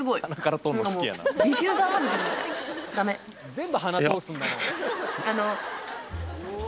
全部鼻通すんだな。